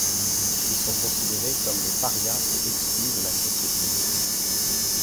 Ils sont considérés comme des parias et exclus de la société.